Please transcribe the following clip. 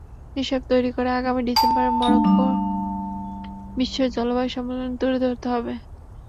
হিসাব তৈরি করে আগামী ডিসেম্বরে মরক্কো বিশ্ব জলবায়ু সম্মেলনে তুলে ধরতে হবে।